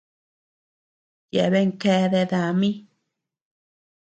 Yeabea keade dami.